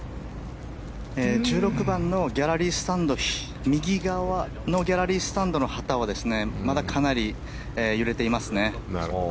１６番の右側のギャラリースタンドの旗はまだかなり揺れていますね。